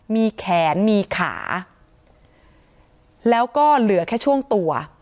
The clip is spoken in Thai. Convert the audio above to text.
มีแขนมีขาแล้วก็เหลือแค่ช่วงตัว